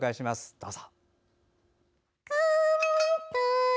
どうぞ。